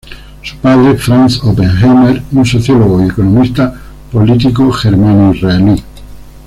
Su padre Franz Oppenheimer, un sociólogo y economista político germano-israelí.